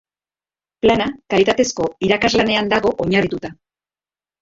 Plana Kalitatezko irakaslanean dago oinarritua.